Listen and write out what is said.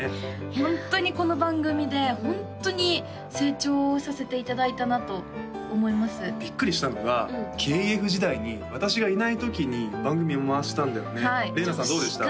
ホントにこの番組でホントに成長させていただいたなと思いますびっくりしたのがＫＥＦ時代に私がいないときに番組を回したんだよねれいなさんどうでした？